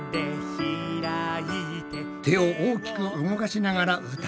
手を大きく動かしながら歌うぞ。